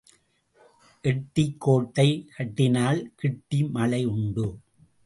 எட்டிக் கோட்டை கட்டினால் கிட்டி மழை உண்டு.